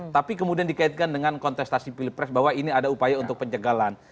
tapi kemudian dikaitkan dengan kontestasi pilpres bahwa ini ada upaya untuk penjagalan